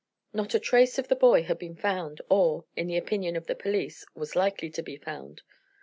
Not a trace of the boy had been found, or (in the opinion of the police) was likely to be found.